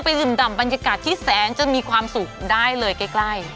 ดื่มดำบรรยากาศที่แสนจะมีความสุขได้เลยใกล้